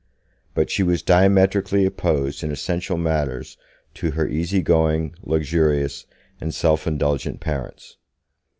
But she was diametrically opposed in essential matters to her easy going, luxurious and self indulgent parents.